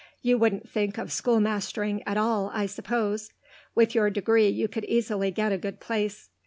You wouldn't think of schoolmastering at all, I suppose? With your degree you could easily get a good place."